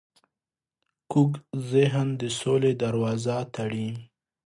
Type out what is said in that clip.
کوږ ذهن د سولې دروازه تړي